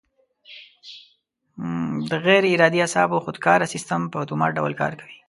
د غیر ارادي اعصابو خودکاره سیستم په اتومات ډول کار کوي.